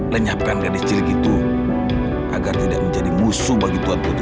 lenyapkan gadis cilik itu agar tidak menjadi musuh bagi tuan putri